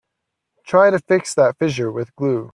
Try to fix that fissure with glue.